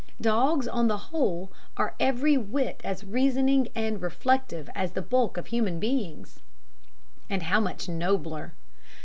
Dogs, on the whole, are every whit as reasoning and reflective as the bulk of human beings! And how much nobler!